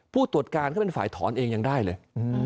ผู้ตรวจการเขาเป็นฝ่ายถอนเองยังได้เลย